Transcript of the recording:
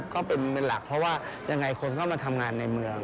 ก็เป็นหลักเพราะว่ายังไงคนก็มาทำงานในเมือง